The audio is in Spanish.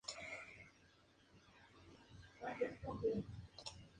Los consumidores comerciales e industriales normalmente tienen esquemas de precios más complejos.